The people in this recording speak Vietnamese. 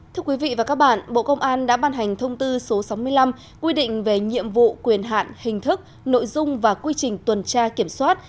thưa quý vị và các bạn bộ công an đã ban hành thông tư số sáu mươi năm quy định về nhiệm vụ quyền hạn hình thức nội dung và quy trình tuần tra kiểm soát